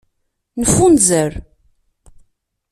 Neffunzer.